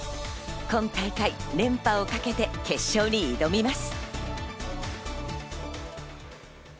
今大会連覇をかけて決勝に挑みます。